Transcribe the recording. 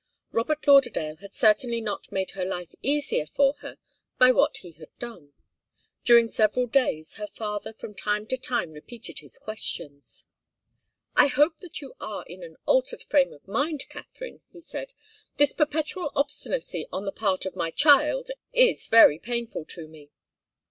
Robert Lauderdale had certainly not made her life easier for her by what he had done. During several days her father from time to time repeated his questions. "I hope that you are in an altered frame of mind, Katharine," he said. "This perpetual obstinacy on the part of my child is very painful to me."